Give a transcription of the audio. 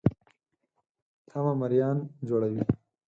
تمه مریان جوړوي.